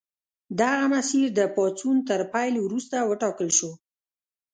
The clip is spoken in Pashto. دغه مسیر د پاڅون تر پیل وروسته وټاکل شو.